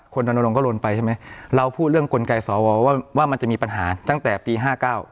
คนโรนโรงก็โรนไปใช่ไหม